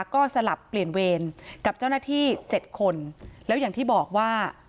ก็สลับเปลี่ยนเวรกับเจ้าหน้าที่เจ็ดคนแล้วอย่างที่บอกว่า